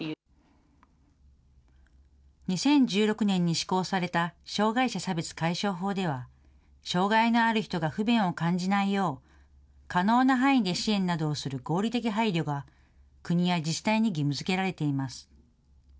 ２０１６年に施行された障害者差別解消法では、障害のある人が不便を感じないよう、可能な範囲で支援などをする合理的配慮が、国や自治体に義務づけられています。